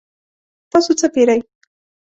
تاسو څه پیرئ؟